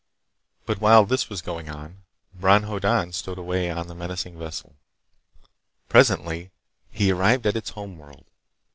But while this was going on, Bron Hoddan stowed away on the menacing vessel. Presently he arrived at its home world.